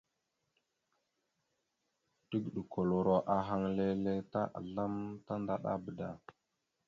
Tigəɗokoloro ahaŋ leele ta azlam tandaɗaba da.